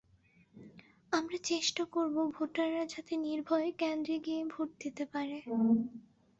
আমরা চেষ্টা করব ভোটাররা যাতে নির্ভয়ে কেন্দ্রে গিয়ে ভোট দিতে পারে।